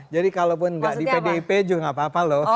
jadi kalau pun gak di pdip juga gak apa apa loh